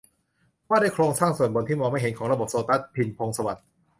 ว่าด้วยโครงสร้างส่วนบนที่มองไม่เห็นของระบบโซตัส - พิชญ์ พงษ์สวัสดิ์